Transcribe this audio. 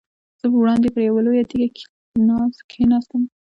زه وړاندې پر یوه لویه تیږه کېناستم.